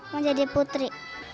mau jadi putri